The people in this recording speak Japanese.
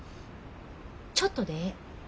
ちょっとでええ。